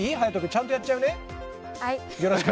ちゃんとやっちゃうね。